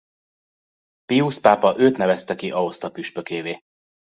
Piusz pápa őt nevezte ki Aosta püspökévé.